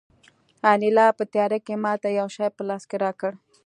انیلا په تیاره کې ماته یو شی په لاس کې راکړ